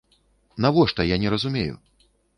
Навошта, я не разумею?